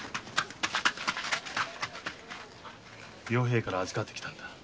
与平から預かってきたんだ。